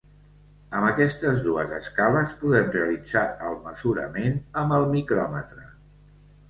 Amb aquestes dues escales podem realitzar el mesurament amb el micròmetre.